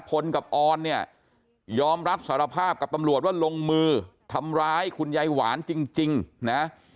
พลกับออนเนี่ยยอมรับสารภาพกับตำรวจว่าลงมือทำร้ายคุณยายหวานจริงนะ